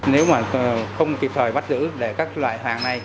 nếu mà không kịp thời bắt giữ để các loại hàng này